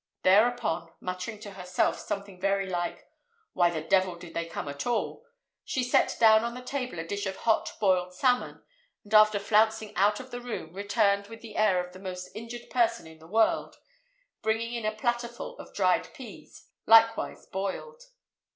Thereupon, muttering to herself something very like "Why the devil did they come at all!" she set down on the table a dish of hot boiled salmon; and, after flouncing out of the room, returned with the air of the most injured person in the world, bringing in a platter full of dried peas, likewise boiled.